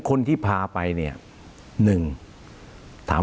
คุณจอมขอบพระคุณครับ